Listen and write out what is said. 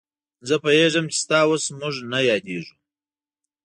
زه پوهېږم چې ستا اوس موږ نه یادېږو.